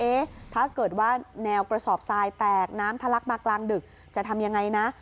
ถ้าเกิดว่าแนวกระสอบทรายแตกน้ำทะลักมากลางดึกจะทำยังไงนะ